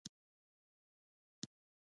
آیا دوی ټکټونه او کالي نه اخلي؟